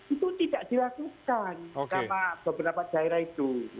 itu tidak dilakukan karena beberapa daerah itu